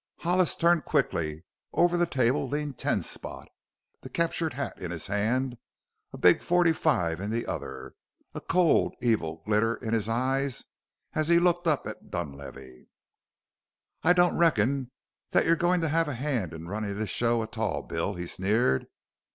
Hollis turned quickly. Over the table leaned Ten Spot, the captured hat in his hand, a big forty five in the other, a cold, evil glitter in his eyes as he looked up at Dunlavey. "I don't reckon that you're goin' to have a hand in runnin' this show a tall, Bill," he sneered.